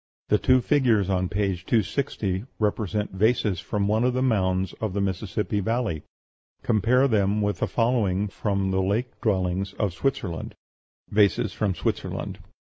The two figures on page 260 represent vases from one of the mounds of the Mississippi Valley. Compare them with the following from the lake dwellings of Switzerland: VASES FROM SWITZERLAND.